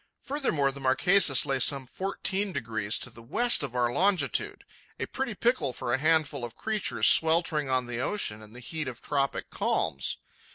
Furthermore, the Marquesas lay some fourteen degrees to the west of our longitude. A pretty pickle for a handful of creatures sweltering on the ocean in the heat of tropic calms.